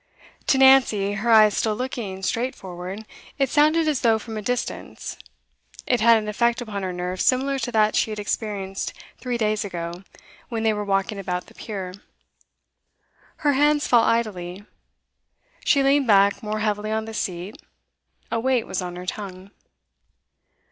To Nancy, her eyes still looking straight forward, it sounded as though from a distance; it had an effect upon her nerves similar to that she had experienced three days ago, when they were walking about the pier. Her hands fell idly; she leaned back more heavily on the seat; a weight was on her tongue.